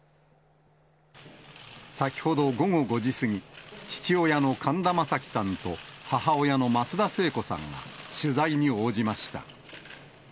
先ほど午後５時過ぎ、父親の神田正輝さんと母親の松田聖子さんが取材に応じました。